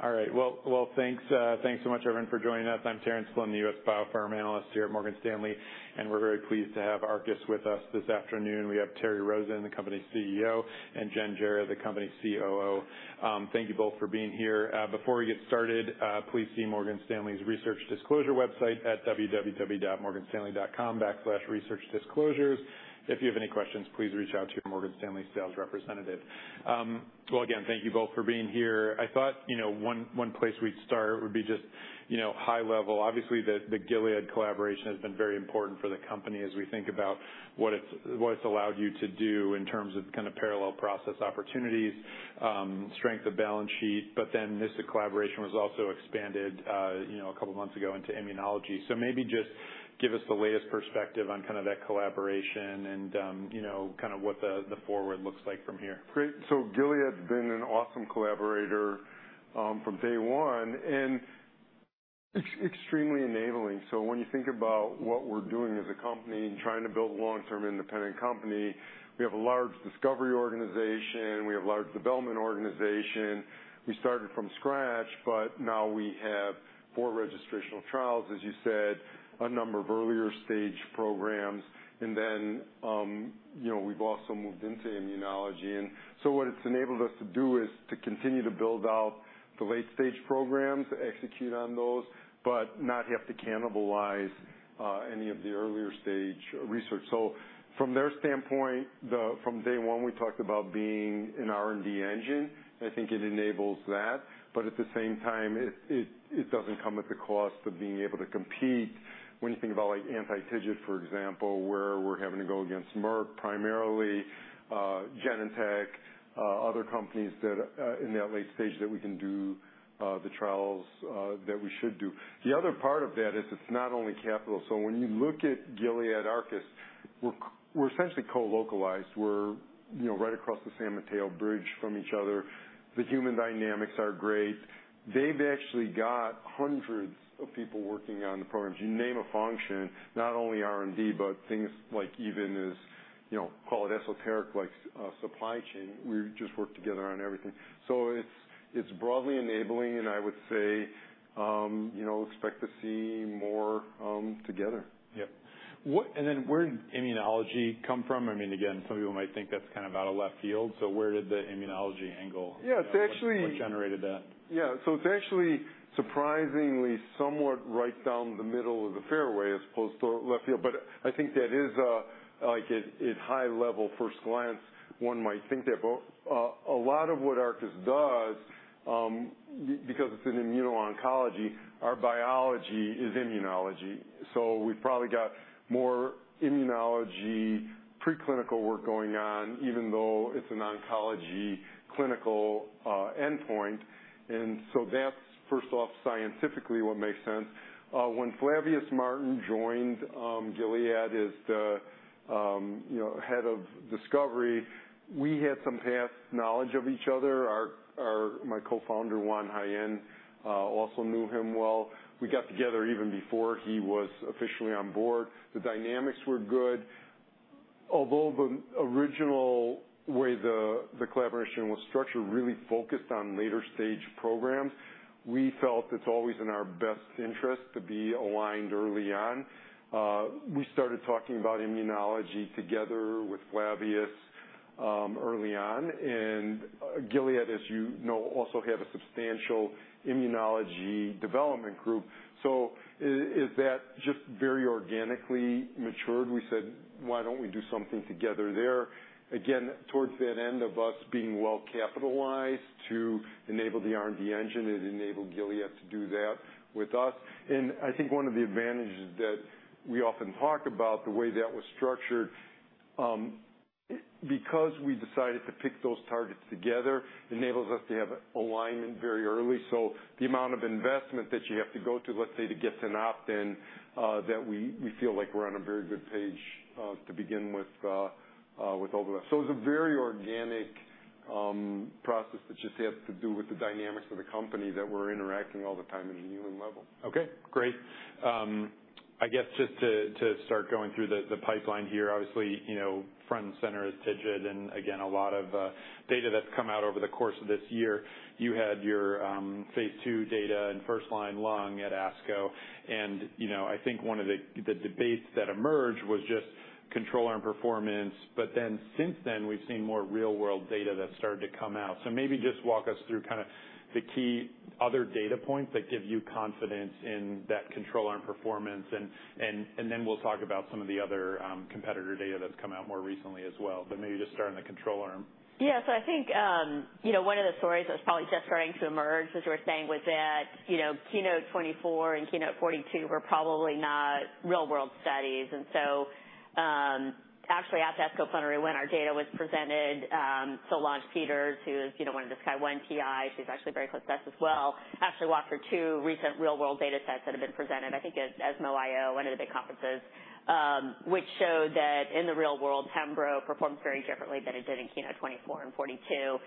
All right. Well, well, thanks, thanks so much, everyone, for joining us. I'm Terence Flynn, the U.S. Biopharma analyst here at Morgan Stanley, and we're very pleased to have Arcus with us this afternoon. We have Terry Rosen, the company's CEO, and Jen Jarrett, the company's COO. Thank you both for being here. Before we get started, please see Morgan Stanley's Research Disclosure website at www.morganstanley.com/researchdisclosures. If you have any questions, please reach out to your Morgan Stanley sales representative. Well, again, thank you both for being here. I thought, you know, one, one place we'd start would be just, you know, high level. Obviously, the Gilead collaboration has been very important for the company as we think about what it's allowed you to do in terms of kind of parallel process opportunities, strength of balance sheet, but then this collaboration was also expanded, you know, a couple months ago into immunology. So maybe just give us the latest perspective on kind of that collaboration and, you know, kind of what the forward looks like from here. Great. So Gilead's been an awesome collaborator, from day one, and extremely enabling. So when you think about what we're doing as a company and trying to build a long-term independent company, we have a large discovery organization. We have a large development organization. We started from scratch, but now we have four registrational trials, as you said, a number of earlier stage programs, and then, you know, we've also moved into immunology. And so what it's enabled us to do is to continue to build out the late stage programs, execute on those, but not have to cannibalize any of the earlier stage research. So from their standpoint, from day one, we talked about being an R&D engine. I think it enables that, but at the same time, it doesn't come at the cost of being able to compete when you think about, like, anti-TIGIT, for example, where we're having to go against Merck, primarily, Genentech, other companies that in that late stage that we can do the trials that we should do. The other part of that is it's not only capital. So when you look at Gilead Arcus, we're essentially co-localized. We're, you know, right across the San Mateo Bridge from each other. The human dynamics are great. They've actually got hundreds of people working on the programs. You name a function, not only R&D, but things like even as, you know, call it esoteric, like supply chain. We just work together on everything. It's broadly enabling, and I would say, you know, expect to see more together. Yep. What... Then where did immunology come from? I mean, again, some of you might think that's kind of out of left field, so where did the immunology angle- Yeah, it's actually- What generated that? Yeah. So it's actually surprisingly somewhat right down the middle of the fairway as opposed to left field. But I think that is, like at high level, first glance, one might think that. But, a lot of what Arcus does, because it's an immuno-oncology, our biology is immunology. So we've probably got more immunology preclinical work going on, even though it's an oncology clinical, endpoint. And so that's, first off, scientifically what makes sense. When Flavius Martin joined, Gilead as the, you know, head of discovery, we had some past knowledge of each other. My co-founder, Juan Jaen, also knew him well. We got together even before he was officially on board. The dynamics were good. Although the original way the collaboration was structured really focused on later stage programs, we felt it's always in our best interest to be aligned early on. We started talking about immunology together with Flavius early on, and Gilead, as you know, also had a substantial immunology development group. So that just very organically matured. We said: Why don't we do something together there? Again, towards that end of us being well capitalized to enable the R&D engine, it enabled Gilead to do that with us. And I think one of the advantages that we often talk about, the way that was structured, because we decided to pick those targets together, enables us to have alignment very early. So the amount of investment that you have to go to, let's say, to get to Opt-In, that we feel like we're on a very good page, to begin with, with all the rest. So it's a very organic process that just has to do with the dynamics of the company that we're interacting all the time at a human level. Okay, great. I guess just to start going through the pipeline here, obviously, you know, front and center is TIGIT, and again, a lot of data that's come out over the course of this year. You had your Phase 2 data and first-line lung at ASCO, and, you know, I think one of the debates that emerged was just control arm performance. But then since then, we've seen more real world data that started to come out. So maybe just walk us through kind of the key other data points that give you confidence in that control arm performance. And then we'll talk about some of the other competitor data that's come out more recently as well, but maybe just start on the control arm. Yeah. So I think, you know, one of the stories that's probably just starting to emerge, as you were saying, was that, you know, KEYNOTE-024 and KEYNOTE-042 were probably not real-world studies. And so, actually, at ASCO Plenary, when our data was presented, Solange Peters, who's, you know, one of the SKY-01 PI, she's actually very close to us as well, actually walked through two recent real-world data sets that have been presented, I think, at ESMO IO, one of the big conferences, which showed that in the real world, pembro performs very differently than it did in KEYNOTE-024 and 042.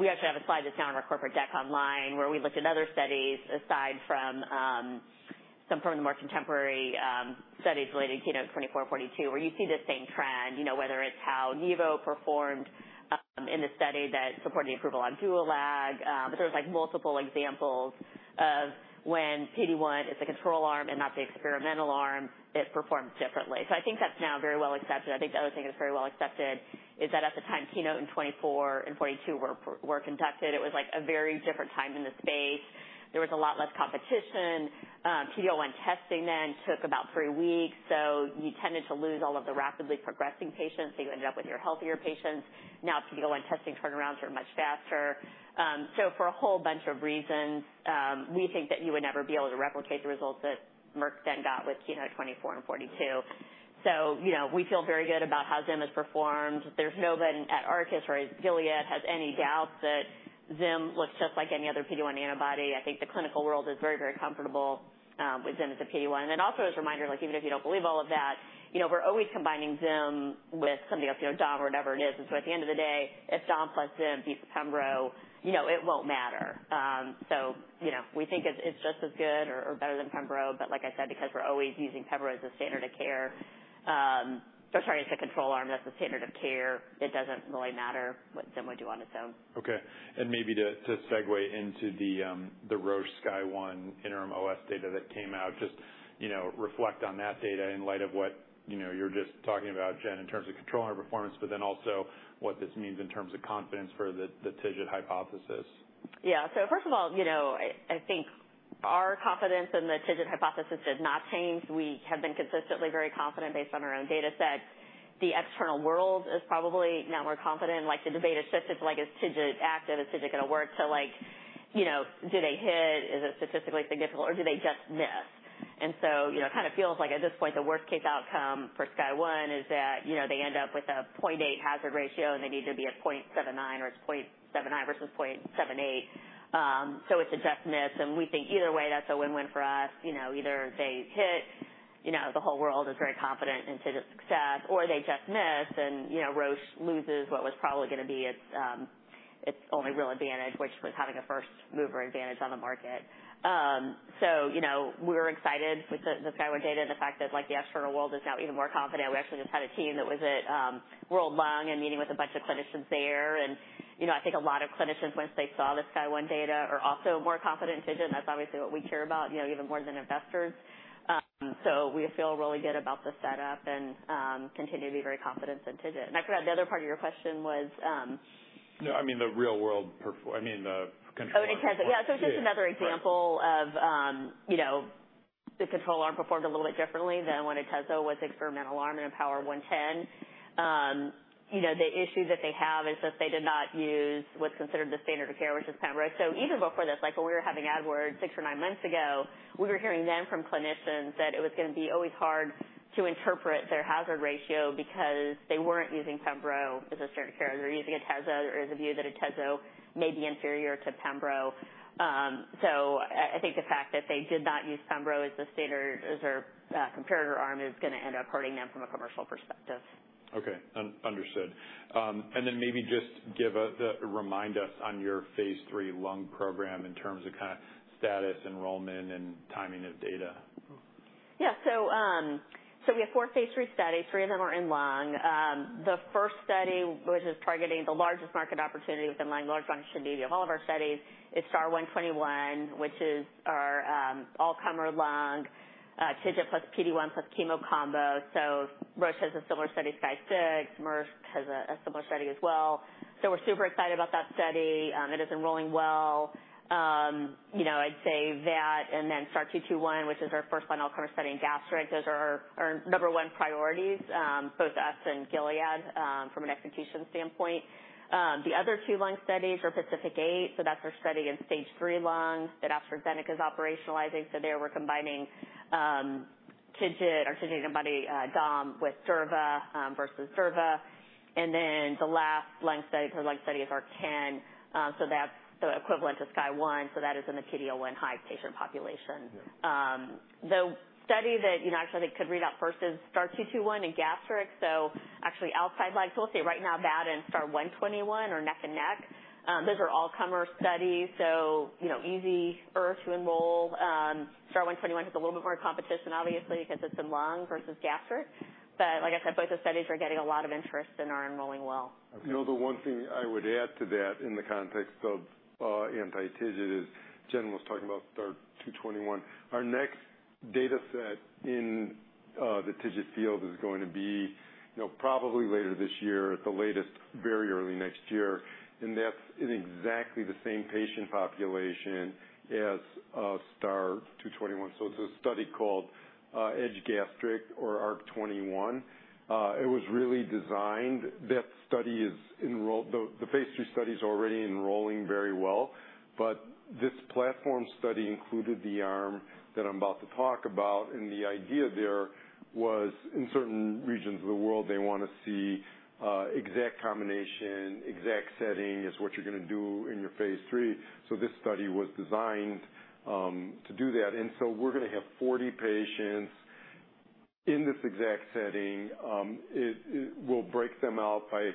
We actually have a slide that's now on our corporate deck online, where we looked at other studies aside from some from the more contemporary studies related to KEYNOTE-024, 042, where you see the same trend, you know, whether it's how nivo performed in the study that supported the approval on dual mAbs. There was, like, multiple examples of when PD-1 is the control arm and not the experimental arm, it performed differently. So I think that's now very well accepted. I think the other thing that's very well accepted is that at the time, KEYNOTE-024 and 042 were conducted, it was, like, a very different time in the space. There was a lot less competition. PD-L1 testing then took about three weeks, so you tended to lose all of the rapidly progressing patients, so you ended up with your healthier patients. Now, PD-L1 testing turnarounds are much faster. So for a whole bunch of reasons, we think that you would never be able to replicate the results that Merck then got with KEYNOTE-024 and KEYNOTE-042. So, you know, we feel very good about how Zim has performed. There's no one at Arcus or at Gilead has any doubt that Zim looks just like any other PD-1 antibody. I think the clinical world is very, very comfortable with Zim as a PD-1. And then also as a reminder, like, even if you don't believe all of that, you know, we're always combining Zim with something else, you know, Dom or whatever it is. And so at the end of the day, if Dom plus Zim beats Pembro, you know, it won't matter. So, you know, we think it's just as good or better than Pembro. But like I said, because we're always using Pembro as a standard of care, so sorry, as a control arm, that's the standard of care. It doesn't really matter what Zim would do on its own. Okay, and maybe to, to segue into the, the Roche SKY-01 interim OS data that came out, just, you know, reflect on that data in light of what, you know, you're just talking about, Jen, in terms of controlling our performance, but then also what this means in terms of confidence for the, the TIGIT hypothesis. Yeah. So first of all, you know, I think our confidence in the TIGIT hypothesis has not changed. We have been consistently very confident based on our own data sets. The external world is probably now more confident, like the debate has shifted to, like, is TIGIT active? Is TIGIT gonna work? To, like, you know, do they hit, is it statistically significant or do they just miss? And so, you know, it kind of feels like at this point, the worst case outcome for SKY-01 is that, you know, they end up with a 0.8 hazard ratio, and they need to be at 0.79, or it's 0.79 versus 0.78. So it's a just miss, and we think either way, that's a win-win for us. You know, either they hit, you know, the whole world is very confident in TIGIT's success, or they just miss and, you know, Roche loses what was probably gonna be its, its only real advantage, which was having a first mover advantage on the market. So, you know, we're excited with the, the Sky One data and the fact that, like, the external world is now even more confident. We actually just had a team that was at World Lung and meeting with a bunch of clinicians there. And, you know, I think a lot of clinicians, once they saw the Sky One data, are also more confident in TIGIT, and that's obviously what we care about, you know, even more than investors. So we feel really good about the setup and continue to be very confident in TIGIT. I forgot, the other part of your question was, No, I mean, the real world, I mean, the control- Oh, in Atezo. Yeah. Yeah, so it's just another example- Right... of, you know, the control arm performed a little bit differently than when Atezo was the experimental arm in IMpower110. You know, the issue that they have is that they did not use what's considered the standard of care, which is Pembro. So even before this, like, when we were having ad boards 6 or 9 months ago, we were hearing then from clinicians that it was gonna be always hard to interpret their hazard ratio because they weren't using Pembro as a standard of care. They were using Atezo. There is a view that Atezo may be inferior to Pembro. So I think the fact that they did not use Pembro as the standard or comparator arm is gonna end up hurting them from a commercial perspective. Okay, understood. And then maybe just remind us on your phase 3 lung program in terms of kind of status, enrollment, and timing of data. Yeah. So, so we have 4 phase 3 studies. 3 of them are in lung. The first study, which is targeting the largest market opportunity within lung, largest one should be of all of our studies, is STAR-121, which is our, all-comer lung, TIGIT plus PD-1 plus chemo combo. So Roche has a similar study, SKY-06, Merck has a, a similar study as well. So we're super excited about that study. It is enrolling well. You know, I'd say that and then STAR-221, which is our first all-comer study in gastric. Those are our, our number one priorities, both us and Gilead, from an execution standpoint. The other 2 lung studies are PACIFIC-8, so that's our study in Stage III lung that AstraZeneca is operationalizing. So there we're combining TIGIT, our TIGIT antibody, Dom, with Zim, versus Zim. And then the last lung study, her lung study is ARC-10, so that's the equivalent to SKY-01, so that is in the PD-L1 high patient population. Yeah. The study that, you know, actually I think could read out first is STAR-221 in gastric, so actually outside lung. So we'll say right now, that and STAR-121 are neck and neck. Those are all-comer studies, so you know, easier to enroll. STAR-121 has a little bit more competition, obviously, because it's in lung versus gastric. But like I said, both the studies are getting a lot of interest and are enrolling well. Okay. You know, the one thing I would add to that in the context of anti-TIGIT is Jen was talking about STAR-221. Our next data set in the TIGIT field is going to be, you know, probably later this year, at the latest, very early next year, and that's in exactly the same patient population as STAR-221. So it's a study called EDGE Gastric or ARC-21. It was really designed... That study is enrolled, the phase 3 study is already enrolling very well, but this platform study included the arm that I'm about to talk about, and the idea there was, in certain regions of the world, they wanna see exact combination, exact setting is what you're gonna do in your phase 3. So this study was designed to do that, and so we're gonna have 40 patients in this exact setting. It we'll break them out by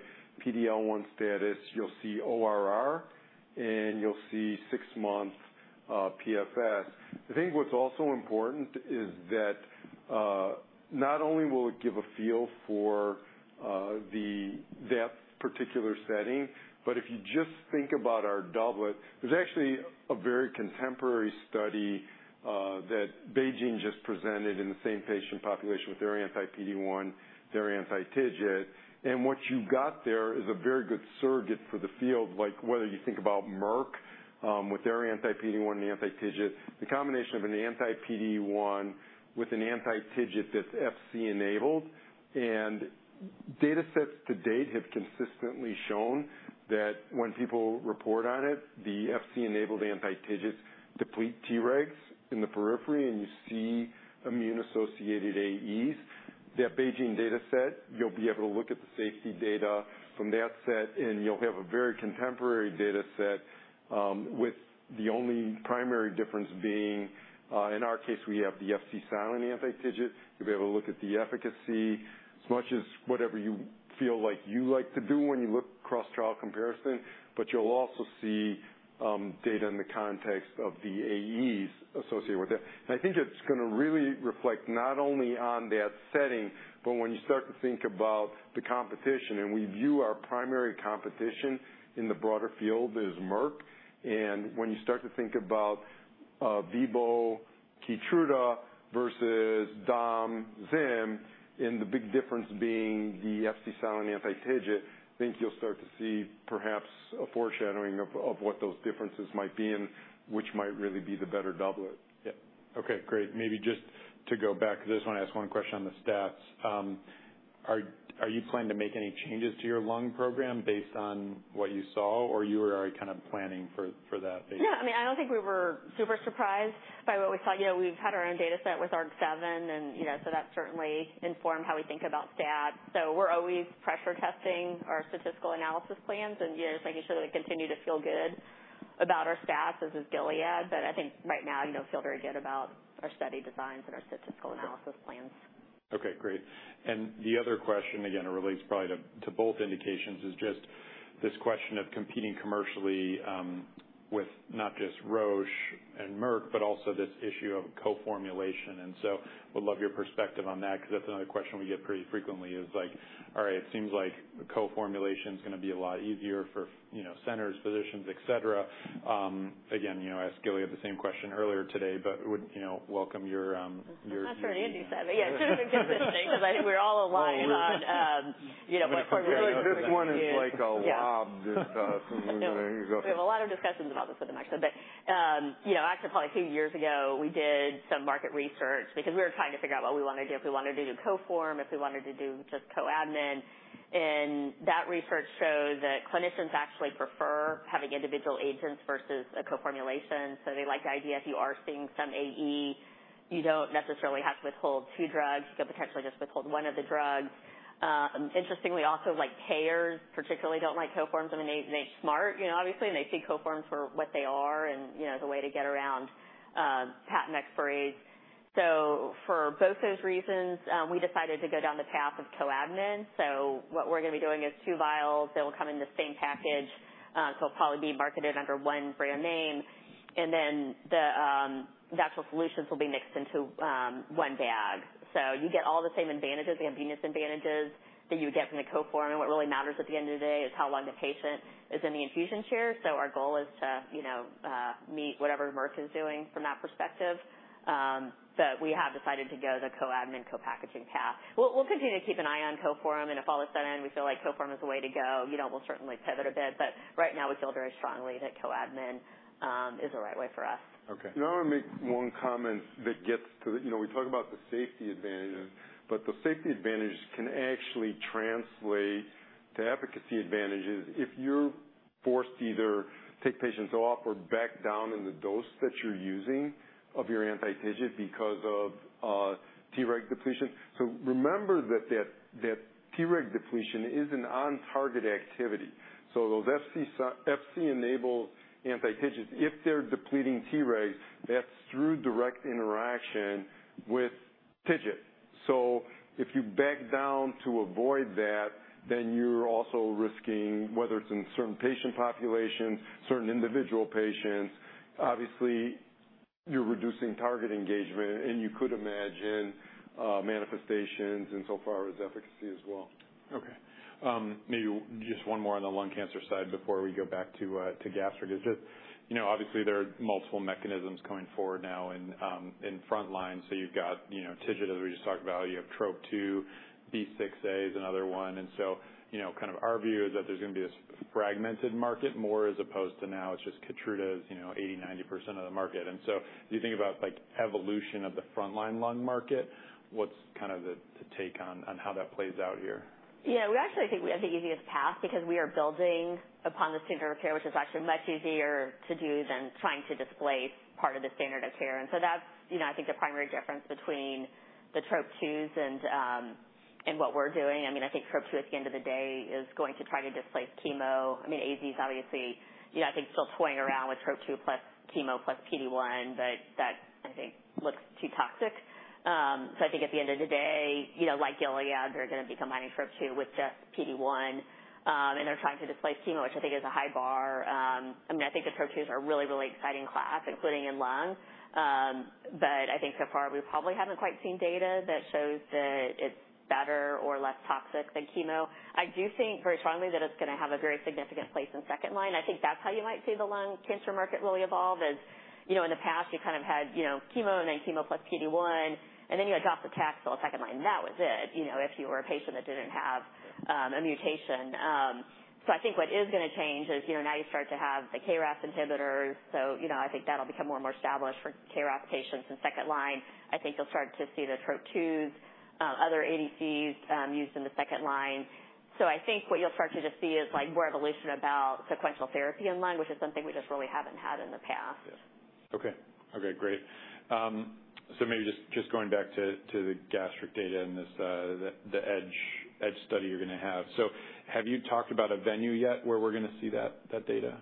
PD-L1 status. You'll see ORR, and you'll see six-month PFS. I think what's also important is that, not only will it give a feel for the depth particular setting, but if you just think about our doublet, there's actually a very contemporary study that BeiGene just presented in the same patient population with their anti-PD-1, their anti-TIGIT. And what you've got there is a very good surrogate for the field, like whether you think about Merck with their anti-PD-1 and anti-TIGIT. The combination of an anti-PD-1 with an anti-TIGIT Fc-Enabled, and data sets to date have consistently shown that when people report on it, Fc-Enabled anti-tigit deplete Tregs in the periphery, and you see immune-associated AEs. That BeiGene data set, you'll be able to look at the safety data from that set, and you'll have a very contemporary data set, with the only primary difference being, in our case, we have the Fc-Silent Anti-TIGIT. You'll be able to look at the efficacy as much as whatever you feel like you like to do when you look cross-trial comparison, but you'll also see data in the context of the AEs associated with that. I think it's gonna really reflect not only on that setting, but when you start to think about the competition, and we view our primary competition in the broader field is Merck. When you start to think about Vibo Keytruda versus Dom Zim, and the big difference being the Fc-silent and anti-TIGIT, I think you'll start to see perhaps a foreshadowing of what those differences might be and which might really be the better doublet. Yeah. Okay, great. Maybe just to go back to this, I want to ask one question on the stats. Are you planning to make any changes to your lung program based on what you saw, or you were already kind of planning for that base? Yeah. I mean, I don't think we were super surprised by what we saw. You know, we've had our own data set with ARC-7, and, you know, so that certainly informed how we think about stats. So we're always pressure testing our statistical analysis plans and, you know, making sure that we continue to feel good about our stats, as is Gilead. But I think right now, you know, feel very good about our study designs and our statistical analysis plans. Okay, great. And the other question, again, it relates probably to both indications, is just this question of competing commercially with not just Roche and Merck, but also this issue of co-formulation. And so would love your perspective on that, because that's another question we get pretty frequently is like: All right, it seems like co-formulation is gonna be a lot easier for, you know, centers, physicians, et cetera. Again, you know, I asked Gilead the same question earlier today, but would, you know, welcome your I'm not sure I do seven. Yeah, it should have been interesting because I think we're all aligned on, you know, but for- This one is like a lob this time. We have a lot of discussions about this with them, actually. But, you know, actually, probably two years ago, we did some market research because we were trying to figure out what we wanted to do, if we wanted to do co-form, if we wanted to do just co-admin. And that research showed that clinicians actually prefer having individual agents versus a co-formulation. So they like the idea if you are seeing some AE, you don't necessarily have to withhold two drugs. You could potentially just withhold one of the drugs. Interestingly, also, like, payers particularly don't like co-forms. I mean, they, they're smart, you know, obviously, and they see co-forms for what they are and, you know, the way to get around, patent expiry. So for both those reasons, we decided to go down the path of co-admin. So what we're gonna be doing is two vials. They will come in the same package, so it'll probably be marketed under one brand name, and then the actual solutions will be mixed into one bag. So you get all the same advantages, the convenience advantages that you would get from the co-form. And what really matters at the end of the day is how long the patient is in the infusion chair. So our goal is to, you know, meet whatever Merck is doing from that perspective. But we have decided to go the co-admin, co-packaging path. We'll continue to keep an eye on co-form, and if all of a sudden we feel like co-form is the way to go, you know, we'll certainly pivot a bit, but right now we feel very strongly that co-admin is the right way for us. Okay. Now, I'll make one comment that gets to... You know, we talk about the safety advantage, but the safety advantage can actually translate to efficacy advantages if you're forced to either take patients off or back down in the dose that you're using of your anti-TIGIT because of Treg depletion. So remember that, that, that Treg depletion is an on-target activity, so Fc-Enabled anti-TIGIT, if they're depleting Tregs, that's through direct interaction with TIGIT. So if you back down to avoid that, then you're also risking, whether it's in certain patient populations, certain individual patients. Obviously, you're reducing target engagement, and you could imagine manifestations and so far as efficacy as well. Okay. Maybe just one more on the lung cancer side before we go back to gastric. Is it... You know, obviously there are multiple mechanisms going forward now in frontline, so you've got, you know, TIGIT, as we just talked about. You have Trop-2, B6A is another one, and so, you know, kind of our view is that there's gonna be a fragmented market more as opposed to now it's just Keytruda's, you know, 80%-90% of the market. And so you think about like evolution of the frontline lung market, what's kind of the take on how that plays out here? Yeah, we actually think we have the easiest path because we are building upon the standard of care, which is actually much easier to do than trying to displace part of the standard of care. And so that's, you know, I think the primary difference between the Trop-2s and what we're doing. I mean, I think Trop-2, at the end of the day, is going to try to displace chemo. I mean, ADCs obviously, you know, I think still toying around with Trop-2 plus chemo plus PD-1, but that I think looks too toxic. So I think at the end of the day, you know, like Gilead, they're gonna be combining Trop-2 with just PD-1, and they're trying to displace chemo, which I think is a high bar. I mean, I think the Trop-2s are a really, really exciting class, including in lung. But I think so far, we probably haven't quite seen data that shows that it's better or less toxic than chemo. I do think very strongly that it's gonna have a very significant place in second line. I think that's how you might see the lung cancer market really evolve is, you know, in the past, you kind of had, you know, chemo, and then chemo plus PD-1, and then you had docetaxel second line, and that was it, you know, if you were a patient that didn't have a mutation. So I think what is gonna change is, you know, now you start to have the KRAS inhibitors, so, you know, I think that'll become more and more established for KRAS patients in second line. I think you'll start to see the Trop-2s, other ADCs, used in the second line. So I think what you'll start to just see is, like, more evolution about sequential therapy in lung, which is something we just really haven't had in the past. Yeah. Okay. Okay, great. So maybe just going back to the gastric data and this, the EDGE study you're gonna have. So have you talked about a venue yet where we're gonna see that data?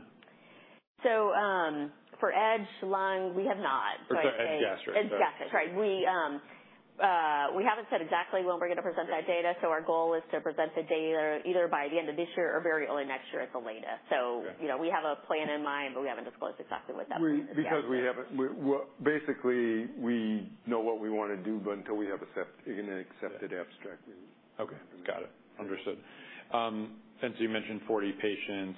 For EDGE-Lung, we have not, but I think- For EDGE Gastric. EDGE Gastric, right. We, we haven't said exactly when we're gonna present that data, so our goal is to present the data either by the end of this year or very early next year at the latest. Okay. You know, we have a plan in mind, but we haven't disclosed exactly what that plan is yet. Because we haven't. We basically know what we wanna do, but until we have an accepted abstract, we- Okay. Got it. Understood. Since you mentioned 40 patients,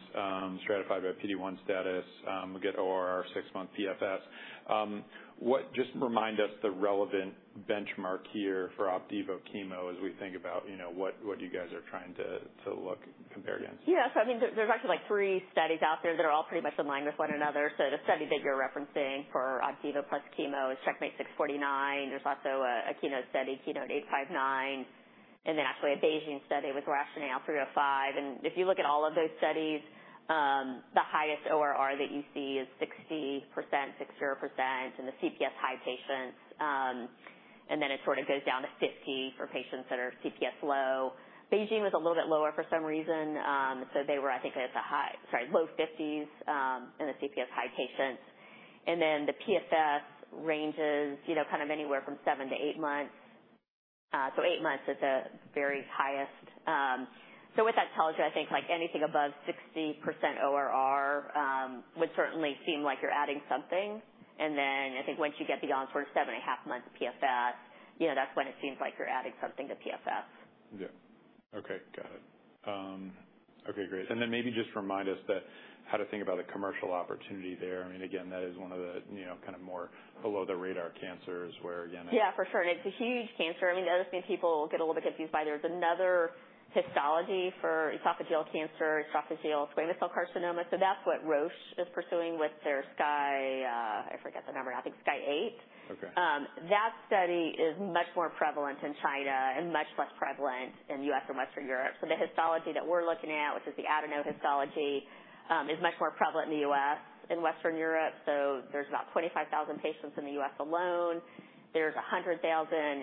stratified by PD-1 status, we'll get ORR 6-month PFS. What... Just remind us the relevant benchmark here for Opdivo chemo as we think about, you know, what you guys are trying to look and compare against. Yeah. So I mean, there's actually, like, 3 studies out there that are all pretty much in line with one another. So the study that you're referencing for Opdivo plus chemo is CheckMate 649. There's also a KEYNOTE study, KEYNOTE-859, and then actually a BeiGene study with RATIONALE 305. And if you look at all of those studies, the highest ORR that you see is 60%, 60%, in the CPS high patients. And then it sort of goes down to 50% for patients that are CPS low. BeiGene was a little bit lower for some reason. So they were, I think, at the high, sorry, low 50s%, in the CPS high patients. And then the PFS ranges, you know, kind of anywhere from 7-8 months. So 8 months is the very highest. So with that told you, I think, like, anything above 60% ORR would certainly seem like you're adding something. And then I think once you get beyond sort of 7.5 months PFS, you know, that's when it seems like you're adding something to PFS. Yeah. Okay. Got it. Okay, great. And then maybe just remind us that how to think about the commercial opportunity there. I mean, again, that is one of the, you know, kind of more below the radar cancers where, again- Yeah, for sure, and it's a huge cancer. I mean, that is something people get a little bit confused by. There's another histology for esophageal cancer, esophageal squamous cell carcinoma, so that's what Roche is pursuing with their SKY, I forget the number now. I think SKY-08. Okay. That study is much more prevalent in China and much less prevalent in the US and Western Europe. So the histology that we're looking at, which is the adenocarcinoma histology, is much more prevalent in the US and Western Europe. So there's about 25,000 patients in the US alone. There's 100,000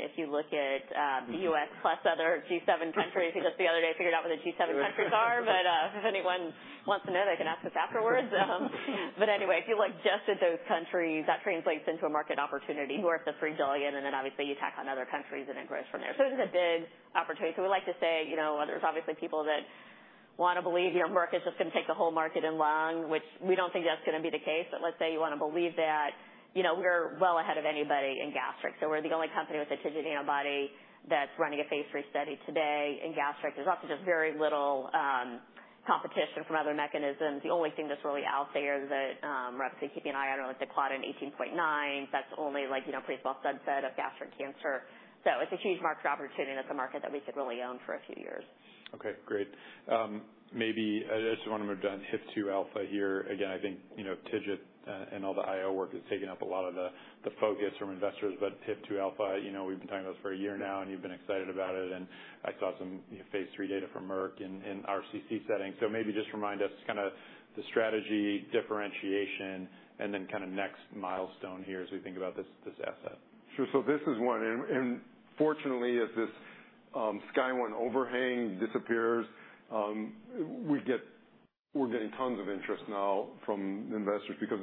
if you look at, Mm-hmm... the US plus other G7 countries. I think just the other day, I figured out what the G7 countries are, but, if anyone wants to know, they can ask us afterwards. But anyway, if you look just at those countries, that translates into a market opportunity worth $3 billion, and then obviously you tack on other countries and it grows from there. So it is a big opportunity. So we like to say, you know what? There's obviously people that wanna believe your market is just gonna take the whole market in lung, which we don't think that's gonna be the case. But let's say you wanna believe that, you know, we're well ahead of anybody in gastric, so we're the only company with a TIGIT antibody that's running a phase 3 study today in gastric. There's also just very little competition from other mechanisms. The only thing that's really out there that we're obviously keeping an eye on is the Claudin 18.2. That's only like, you know, a small subset of gastric cancer. So it's a huge market opportunity, and it's a market that we could really own for a few years. Okay, great. Maybe I just wanna move on HIF-2 alpha here. Again, I think, you know, TIGIT, and all the IO work has taken up a lot of the, the focus from investors, but HIF-2 alpha, you know, we've been talking about this for a year now, and you've been excited about it, and I saw some, you know, phase three data from Merck in, in RCC setting. So maybe just remind us kind of the strategy, differentiation, and then kind of next milestone here as we think about this, this asset. Sure. So this is one, and fortunately, as this SKY-01 overhang disappears, we're getting tons of interest now from investors because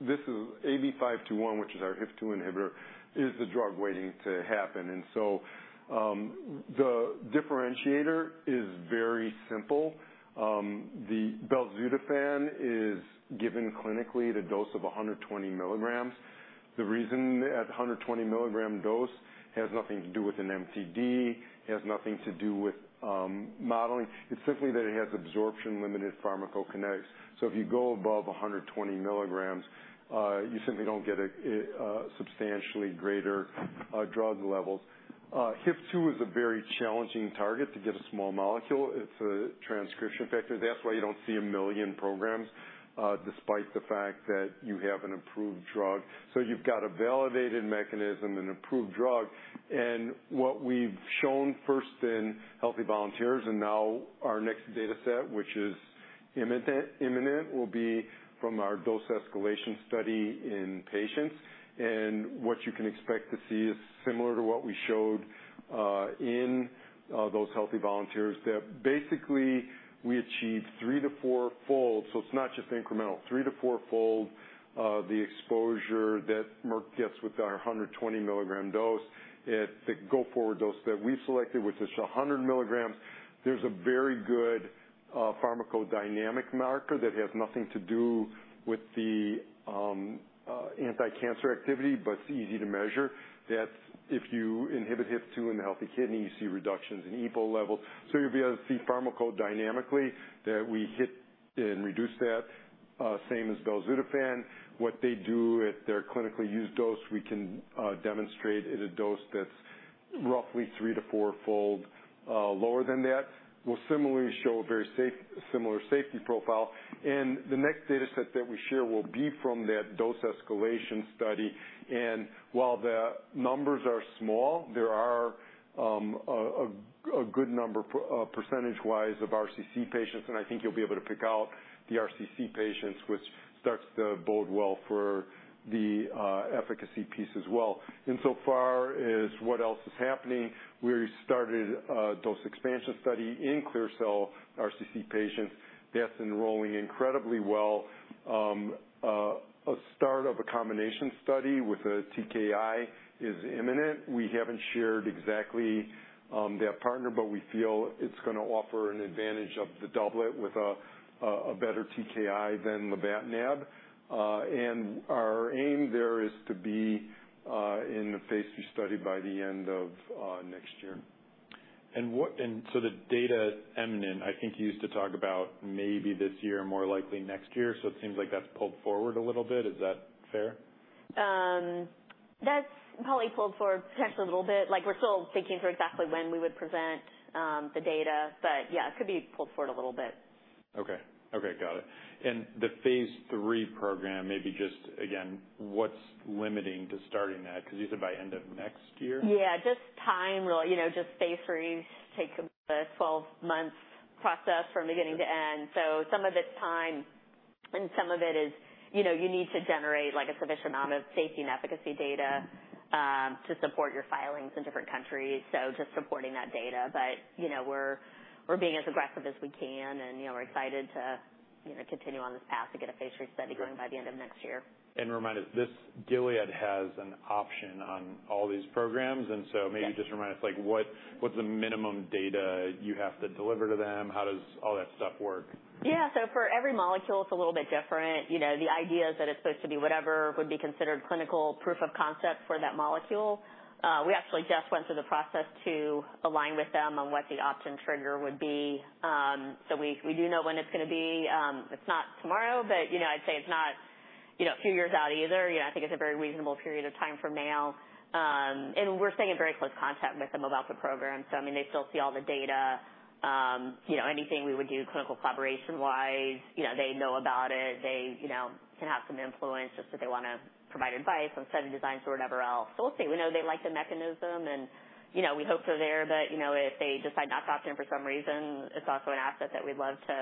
this is AB521, which is our HIF-2 inhibitor, is the drug waiting to happen. And so, the differentiator is very simple. The belzutifan is given clinically at a dose of 120 milligrams. The reason at a 120-milligram dose has nothing to do with an MTD, it has nothing to do with modeling. It's simply that it has absorption-limited pharmacokinetics. So if you go above 120 milligrams, you simply don't get a substantially greater drug levels. HIF-2 is a very challenging target to get a small molecule. It's a transcription factor. That's why you don't see a million programs, despite the fact that you have an approved drug. So you've got a validated mechanism and approved drug, and what we've shown first in healthy volunteers, and now our next data set, which is imminent, imminent will be from our dose escalation study in patients. And what you can expect to see is similar to what we showed in those healthy volunteers, that basically we achieved 3- to 4-fold, so it's not just incremental, 3- to 4-fold, the exposure that Merck gets with our 120 milligram dose. At the go-forward dose that we selected, which is 100 milligrams, there's a very good pharmacodynamic marker that has nothing to do with the anticancer activity, but it's easy to measure. That's if you inhibit HIF-2 in the healthy kidney, you see reductions in EPO levels. So you'll be able to see pharmacodynamically that we hit and reduce that, same as belzutifan. What they do at their clinically used dose, we can demonstrate at a dose that's roughly 3- to 4-fold lower than that, will similarly show a very similar safety profile. And the next data set that we share will be from that dose escalation study. And while the numbers are small, there are a good number percentage wise of RCC patients, and I think you'll be able to pick out the RCC patients, which starts to bode well for the efficacy piece as well. And so far as what else is happening, we started a dose expansion study in clear cell RCC patients. That's enrolling incredibly well. A start of a combination study with a TKI is imminent. We haven't shared exactly that partner, but we feel it's gonna offer an advantage of the doublet with a better TKI than the lenvatinib. And our aim there is to be in the phase 3 study by the end of next year. So the data imminent, I think, you used to talk about maybe this year, more likely next year. So it seems like that's pulled forward a little bit. Is that fair? That's probably pulled forward potentially a little bit. Like, we're still thinking through exactly when we would present, the data, but yeah, it could be pulled forward a little bit. Okay. Okay, got it. And the phase three program, maybe just again, what's limiting to starting that? Because you said by end of next year. Yeah, just time really. You know, just phase 3s take about a 12-month process from beginning to end. So, some of it's time, and some of it is, you know, you need to generate, like, a sufficient amount of safety and efficacy data to support your filings in different countries, so just supporting that data. But, you know, we're, we're being as aggressive as we can, and, you know, we're excited to, you know, continue on this path to get a phase 3 study going by the end of next year. Remind us, this, Gilead has an option on all these programs, and so- Yes. Maybe just remind us, like what, what's the minimum data you have to deliver to them? How does all that stuff work? Yeah, so for every molecule, it's a little bit different. You know, the idea is that it's supposed to be whatever would be considered clinical proof of concept for that molecule. We actually just went through the process to align with them on what the opt-in trigger would be. So we do know when it's gonna be. It's not tomorrow, but, you know, I'd say it's not, you know, a few years out either. You know, I think it's a very reasonable period of time from now. And we're staying in very close contact with them about the program. So I mean, they still see all the data. You know, anything we would do clinical collaboration-wise, you know, they know about it. They, you know, can have some influence just if they wanna provide advice on study designs or whatever else. So we'll see. We know they like the mechanism, and, you know, we hope they're there, but, you know, if they decide not to opt-in for some reason, it's also an asset that we'd love to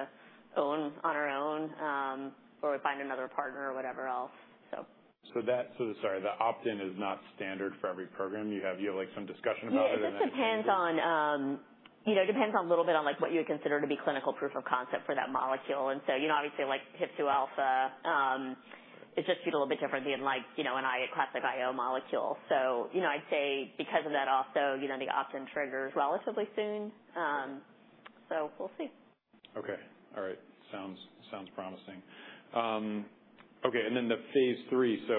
own on our own, or we find another partner or whatever else, so. So sorry, the opt-in is not standard for every program. You have, you have, like, some discussion about it? Yeah, it just depends on, you know, a little bit on, like, what you would consider to be clinical proof of concept for that molecule. And so, you know, obviously, like HIF-2 alpha, it's just a little bit different than like, you know, a classic IO molecule. So, you know, I'd say because of that, also, you know, the opt-in triggers relatively soon. So we'll see. Okay, all right. Sounds promising. Okay, and then the phase 3, so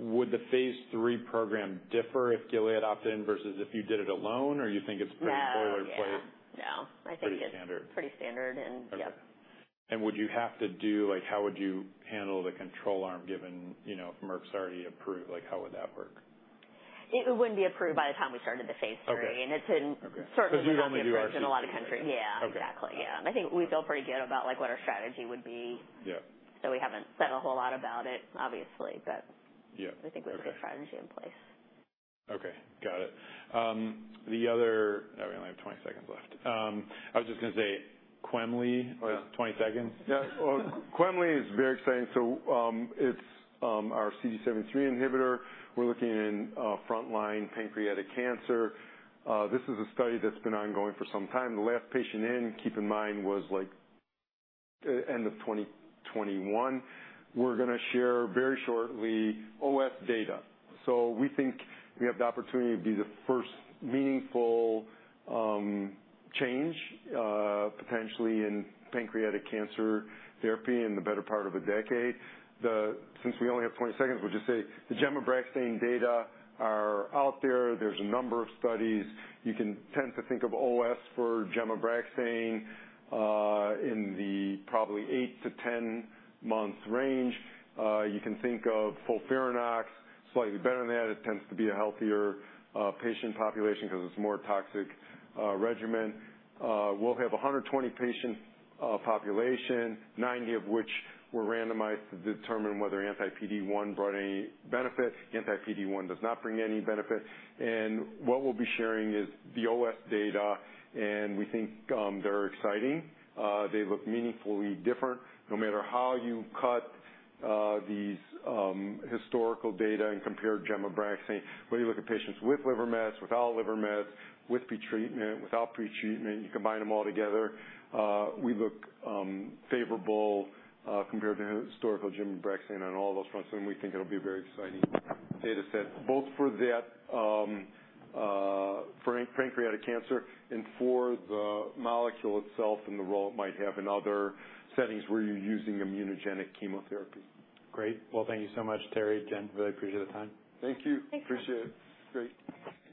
would the phase 3 program differ if Gilead opt in versus if you did it alone, or you think it's pretty boilerplate? No. Yeah, no. Pretty standard. I think it's pretty standard, and yep. Okay. Would you have to do, like, how would you handle the control arm given, you know, if Merck's already approved, like, how would that work? It wouldn't be approved by the time we started the phase three. Okay. And it's in- Okay. Certainly, approved in a lot of countries. 'Cause you only do RC. Yeah, exactly. Okay. Yeah. I think we feel pretty good about, like, what our strategy would be. Yeah. We haven't said a whole lot about it, obviously, but- Yeah. I think we have a good strategy in place. Okay, got it. The other... Oh, we only have 20 seconds left. I was just gonna say quemliclustat- Yeah. Oh, 20 seconds? Yeah. Well, quemliclustat is very exciting. So, it's our CD73 inhibitor. We're looking in front line pancreatic cancer. This is a study that's been ongoing for some time. The last patient in, keep in mind, was like end of 2021. We're gonna share very shortly OS data. So we think we have the opportunity to be the first meaningful change potentially in pancreatic cancer therapy in the better part of a decade. Since we only have 20 seconds, we'll just say the gemcitabine data are out there. There's a number of studies. You can tend to think of OS for gemcitabine in the probably 8-10-month range. You can think of FOLFIRINOX, slightly better than that. It tends to be a healthier patient population because it's a more toxic regimen. We'll have a 120-patient population, 90 of which were randomized to determine whether anti-PD-1 brought any benefits. Anti-PD-1 does not bring any benefits, and what we'll be sharing is the OS data, and we think they're exciting. They look meaningfully different no matter how you cut these historical data and compare gemcitabine, whether you look at patients with liver mets, without liver mets, with pretreatment, without pretreatment, you combine them all together. We look favorable compared to historical gemcitabine on all those fronts, and we think it'll be a very exciting data set, both for that for pancreatic cancer and for the molecule itself and the role it might have in other settings where you're using immunogenic chemotherapy. Great. Well, thank you so much, Terry, Jen. Really appreciate the time. Thank you. Thanks. Appreciate it. Great.